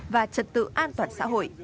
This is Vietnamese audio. và trật tự an toàn xã hội